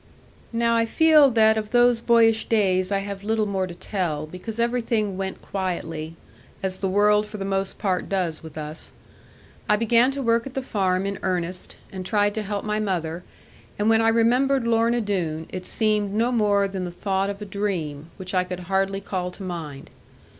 Now I feel that of those boyish days I have little more to tell, because everything went quietly, as the world for the most part does with us. I began to work at the farm in earnest, and tried to help my mother, and when I remembered Lorna Doone, it seemed no more than the thought of a dream, which I could hardly call to mind.